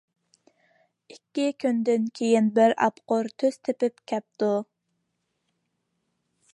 ئىككى كۈندىن كېيىن بىر ئاپقۇر تۇز تېپىپ كەپتۇ.